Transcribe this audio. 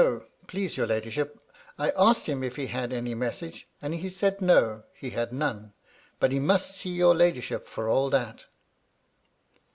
please your ladyship, I asked him if he had any message, and he said no, he had none ; but he must see your ladyship for all that."